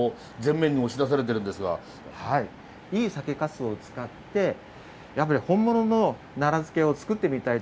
いい酒かすを使ってやっぱり本物のなら漬を作ってみたいということで。